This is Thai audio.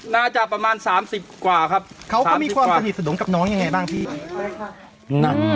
น่าจะประมาณสามสิบกว่าครับเขาก็มีความสนิทสนมกับน้องยังไงบ้างพี่ใช่ค่ะ